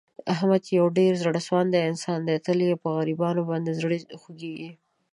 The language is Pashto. احمد یو ډېر زړه سواندی انسان دی. تل یې په غریبانو باندې زړه خوګېږي.